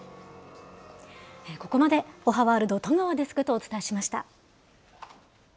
ここまでおはワールド、戸川デスクとお伝えしました。